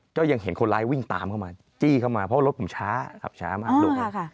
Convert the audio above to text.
ก็ยังเห็นคนร้ายวิ่งตามเข้ามาจี้เข้ามาเพราะรถผมช้าขับช้ามากลูก